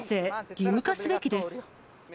義務化すべきです。